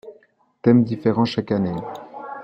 Thèmes différents chaque année.